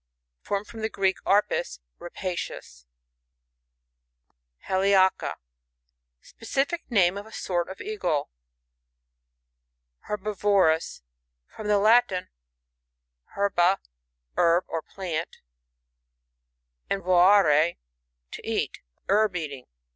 (Formed from the Greek, arpax, rapacious.) Hrliaca. — Specific name of a sort of Eagle. Herbiyorous. — From the Latin her ba, herb or plant, and tjorarf, to eat. Herb eating.